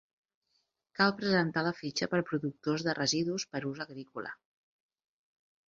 Cal presentar la fitxa per productors de residus per ús agrícola.